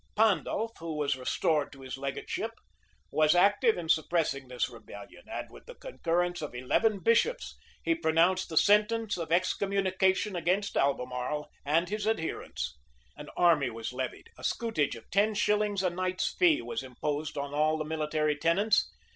Pandulf, who was restored to his legateship, was active in suppressing this rebellion; and with the concurrence of eleven bishops, he pronounced the sentence of excommunication against Albemarle and his adherents:[*] an army was levied: a scutage of ten shillings a knight's fee was imposed on all the military tenants.